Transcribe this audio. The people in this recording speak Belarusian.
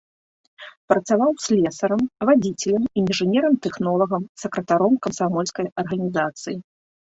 Працаваў слесарам, вадзіцелем, інжынерам-тэхнолагам, сакратаром камсамольскай арганізацыі.